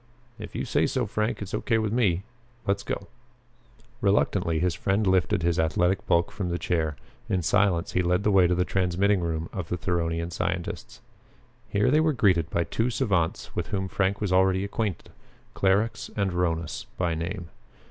"If you say so, Frank, it's okay with me. Let's go!" Reluctantly his friend lifted his athletic bulk from the chair. In silence he led the way to the transmitting room of the Theronian scientists. Here they were greeted by two savants with whom Frank was already acquainted, Clarux and Rhonus by name.